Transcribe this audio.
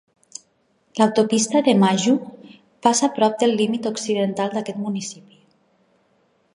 L'autopista de Maju passa a prop del límit occidental d'aquest municipi.